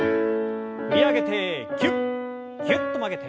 振り上げてぎゅっぎゅっと曲げて。